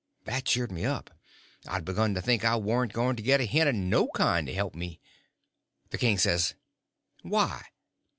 That cheered me up. I'd begun to think I warn't going to get a hint of no kind to help me. The king says: "Why?"